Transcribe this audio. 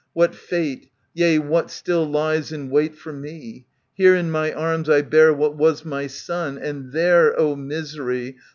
What fate, yea, what still lies in wait for me ? Here in my arms I bear what was my son ; And there, O misery!